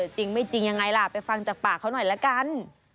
จริงไม่จริงยังไงล่ะไปฟังจากปากเขาหน่อยละกัน